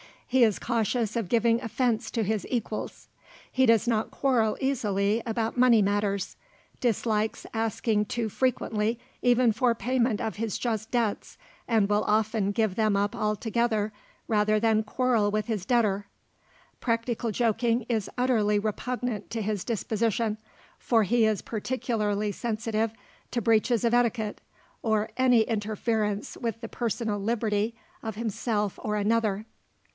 He is cautious of giving offence to his equals. He does not quarrel easily about money matters; dislikes asking too frequently even for payment of his just debts, and will often give them up altogether rather than quarrel with his debtor. Practical joking is utterly repugnant to his disposition; for he is particularly sensitive to breaches of etiquette, or any interference with the personal liberty of himself or another.